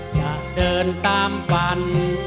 อย่าเดินตามฝัน